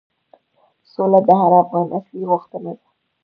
سوله د هر افغان اصلي غوښتنه ده.